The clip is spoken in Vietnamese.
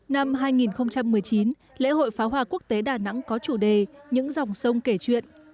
năm hai nghìn một mươi chín lễ hội pháo hoa quốc tế đà nẵng có chủ đề những dòng sông kể chuyện